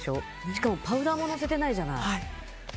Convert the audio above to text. しかもパウダーものせてないじゃない。